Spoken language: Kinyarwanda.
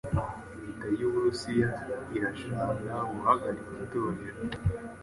Leta y’Uburusiya irashaka guhagarika Itorero